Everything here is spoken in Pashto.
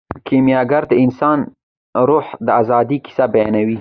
کیمیاګر د انساني روح د ازادۍ کیسه بیانوي.